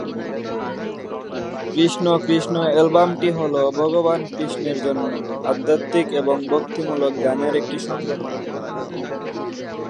কৃষ্ণ কৃষ্ণ অ্যালবামটি হল ভগবান কৃষ্ণের জন্য আধ্যাত্মিক এবং ভক্তিমূলক গানের একটি সংগ্রহ।